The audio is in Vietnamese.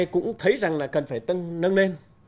cũng thấy rằng là cần phải tăng nâng lên